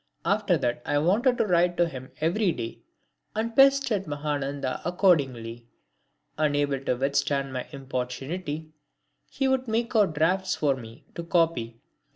After that I wanted to write to him every day and pestered Mahananda accordingly. Unable to withstand my importunity he would make out drafts for me to copy.